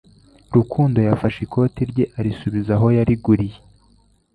rukundo yafashe ikote rye arisubiza aho yariguriye.